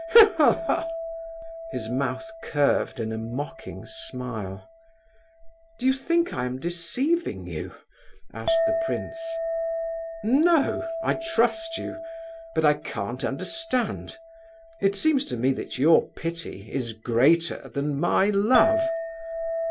He, he, he!" His mouth curved in a mocking smile. "Do you think I am deceiving you?" asked the prince. "No! I trust you—but I can't understand. It seems to me that your pity is greater than my love."